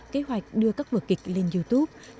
kế hoạch đưa các vừa kịch lên youtube